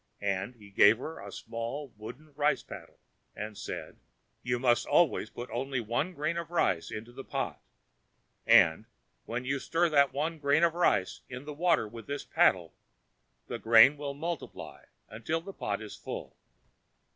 And he gave her a small wooden rice paddle, and said: "You must always put only one grain of rice into the pot, and, when you stir that one grain of rice in the water with this paddle, the grain will multiply until the pot is full."